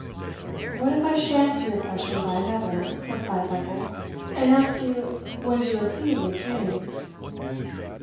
"What if I should answer your question by another," replied Lovel, "and ask you what is your opinion of dreams?"